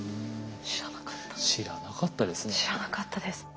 知らなかったですね。